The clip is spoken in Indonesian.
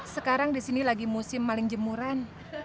sekarang di sini lagi musim paling jemuran